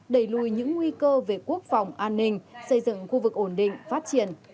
đẩy lùi những nguy cơ về quốc phòng an ninh xây dựng khu vực ổn định phát triển